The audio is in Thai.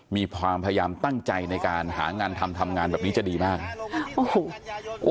มีความพยายามตั้งใจในการหางานทำทำงานแบบนี้จะดีมากโอ้โห